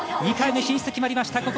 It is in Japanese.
２回目進出決まりました。